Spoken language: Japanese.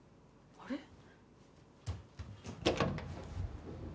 あれ？